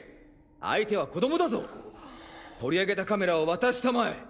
・相手は子供だぞ！！取り上げたカメラを渡したまえ！